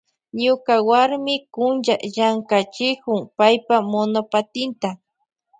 Ñuka warmi kuncha llankachikun paypa monopatinta.